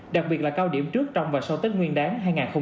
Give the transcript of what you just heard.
đặc biệt là cao điểm trước trong và sau tết nguyên đáng hai nghìn hai mươi bốn